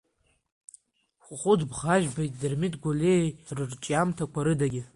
Хәыхәыт Бӷажәбеи Дырмит Гәлиеи рырҿиамҭақәа рыдагьы.